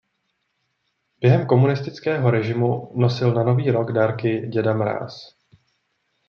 Během komunistického režimu nosil na Nový rok dárky děda Mráz.